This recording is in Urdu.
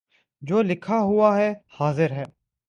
جو لکھا ہوا ہے حاضر ہے